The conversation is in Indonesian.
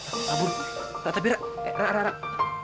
kabur tapi rang eh rang rang rang